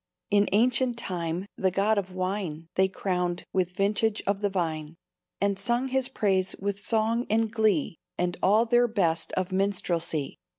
"In ancient time the God of Wine They crowned with vintage of the vine, And sung his praise with song and glee And all their best of minstrelsy.